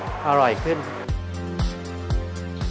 เรียกว่ากว่าจะเป็นก๋วยเตี๋ยวน้ำส้มเนี่ย